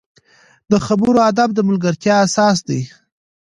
د خبرو ادب د ملګرتیا اساس دی